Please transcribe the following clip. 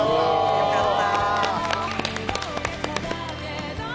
よかった。